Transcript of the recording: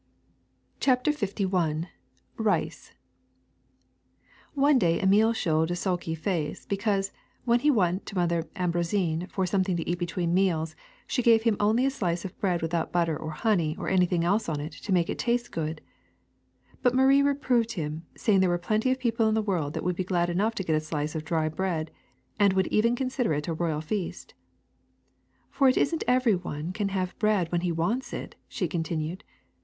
'' CHAPTER LI KICE ONE day Emile showed a sulky face because, when he went to Mother Ambroisine for some thing to eat between meals, she gave him only a slice of bread without butter or honey or anything else on it to make it taste good. But Marie reproved him, saying there were plenty of people in the world that would be glad enough to get a slice of dry bread and would even consider it a royal feast. *' For it is n 't every one can have bread when he wants it,'' she continued.